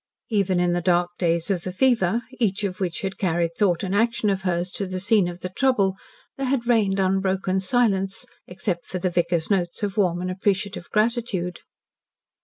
Even in the dark days of the fever, each of which had carried thought and action of hers to the scene of trouble, there had reigned unbroken silence, except for the vicar's notes of warm and appreciative gratitude.